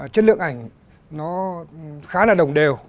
chất lượng ảnh nó khá là đồng đều